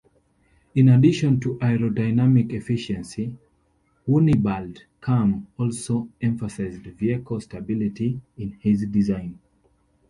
In addition to aerodynamic efficiency, Wunibald Kamm also emphasized vehicle stability in his design.